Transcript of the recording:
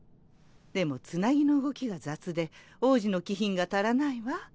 でもつなぎの動きが雑で王子の気品が足らないわ。